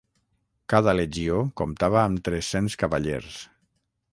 Cada legió comptava amb tres-cents cavallers.